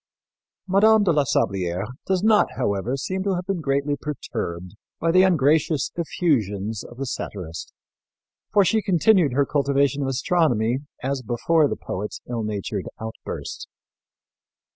Mme. de la Sablière does not, however, seem to have been greatly perturbed by the ungracious effusions of the satirist, for she continued her cultivation of astronomy as before the poet's ill natured outburst.